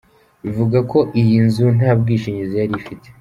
Bivugwa ko iyi nzu nta bwishingizi yari ifite.